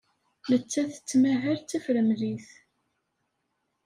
Nettat tettmahal d tafremlit.